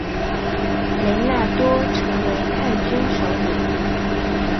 雷纳多成为叛军首领。